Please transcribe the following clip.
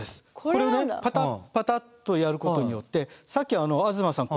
これをねパタッパタッとやることによってさっき東さん